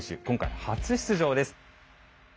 今回初出場です。